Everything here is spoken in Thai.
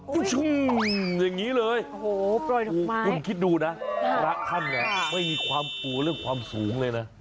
โอ้โฮอย่างนี้เลยคุณคิดดูนะละครั้งนี้ไม่มีความตัวเรื่องความสูงเลยนะ